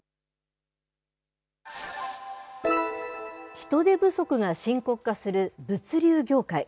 人手不足が深刻化する物流業界。